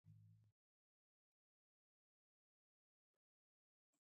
یا هغه غږ و چې ما د سیخ په اخیستلو وکړ